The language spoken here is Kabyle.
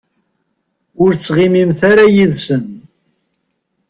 Ur ttɣimimt ara yid-sen.